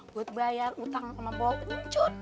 buat bayar utang sama bau uncut